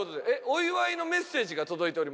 お祝いのメッセージが届いております。